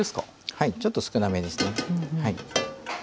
はいちょっと少なめですね。